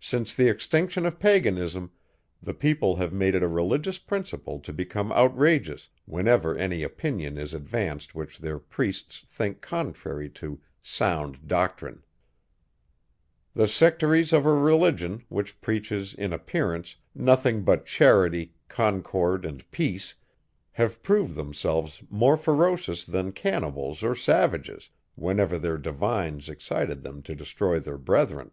Since the extinction of paganism, the people have made it a religious principle to become outrageous, whenever any opinion is advanced which their priests think contrary to sound doctrine. The sectaries of a religion, which preaches, in appearance, nothing but charity, concord, and peace, have proved themselves more ferocious than cannibals or savages, whenever their divines excited them to destroy their brethren.